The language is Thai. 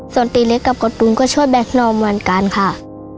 ส่วนตีเล็กกับกดตุมก็ช่วยแก๊คนอมเหมือนกันค่ะ